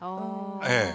ええ。